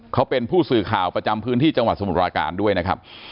เขาเป็นผู้สื่อข่าวประจำพื้นที่จังหวัดสมุทรปราการด้วยนะครับ